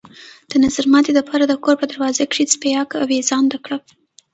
د نظرماتي د پاره د كور په دروازه کښې څپياكه اوېزانده کړه۔